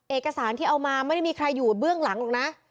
เอกสารที่เอามาไม่ได้มีใครอยู่เบื้องหลังหรอกนะ